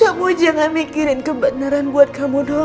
kamu jangan mikirin kebenaran buat kamu doang mas